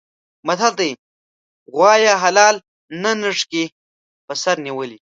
متل دی: غوایه حلال نه نښکي په سر نیولي.